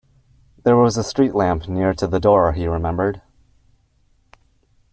There was a street lamp near to the door, he remembered.